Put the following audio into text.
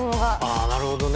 ああなるほどね。